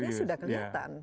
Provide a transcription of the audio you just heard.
dampaknya sudah kelihatan